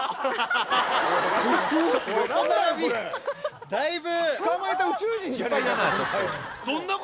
この並びだいぶ。